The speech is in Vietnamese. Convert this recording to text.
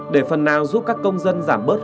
để phần nào giúp các công dân giảm bớt